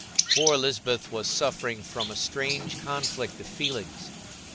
Poor Lisbeth was suffering from a strange conflict of feelings.